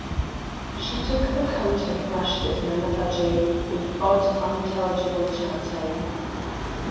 She took the coat and brushed it in a lethargy, with odd, unintelligible chanting.